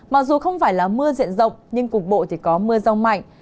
mặc dù không phải là mưa diện rộng nhưng cục bộ thì có mưa rông mạnh